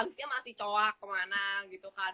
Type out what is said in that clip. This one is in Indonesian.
harusnya masih coak kemana gitu kan